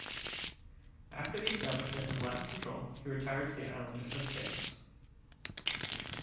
After the establishment of Latin control, he retired to the island of Ceos.